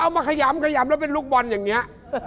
เอามาขยำแล้วเป็นลูกบอลอย่างเนี้ย